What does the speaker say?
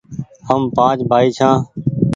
هم پآنچ بآئي ڇآن